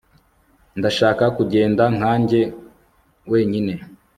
ndashaka kugenda nkanjye wenyine